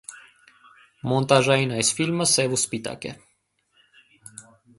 Մոնտաժային այս ֆիլմը սև ու սպիտակ է։